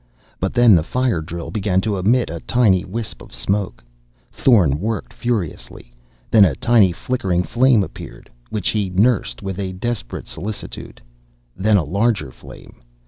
But then the fire drill began to emit a tiny wisp of smoke. Thorn worked furiously. Then a tiny flickering flame appeared, which he nursed with a desperate solicitude. Then a larger flame.